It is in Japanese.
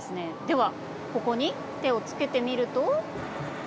ではここに手をつけてみると。